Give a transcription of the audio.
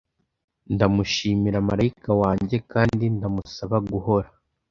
Ndamushimira marayika wanjye, kandi ndamusaba guhora